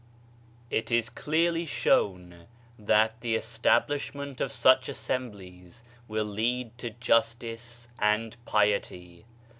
It is clearly shown that the establishment of such assemblies will lead to justice and piety.